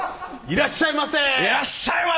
いらっしゃいませ！